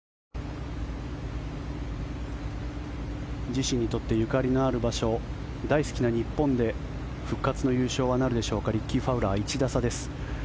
自身にとってゆかりのある場所大好きな日本で復活の優勝はなるでしょうかリッキー・ファウラー１打差です。